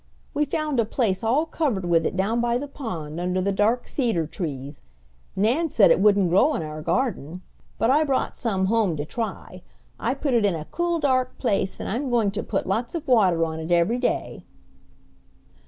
"We found a place all covered with it down by the pond, under the dark cedar trees. Nan said it wouldn't grow in our garden, but I brought some home to try. I put it in a cool dark place, and I'm going to put lots of water on it every day."